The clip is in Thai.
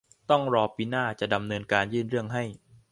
ต้องรอปีหน้าจะดำเนินการยื่นเรื่องให้